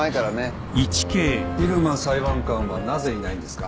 入間裁判官はなぜいないんですか？